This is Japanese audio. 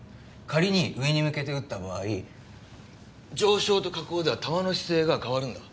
仮に上に向けて撃った場合上昇と下降では弾の姿勢が変わるんだ。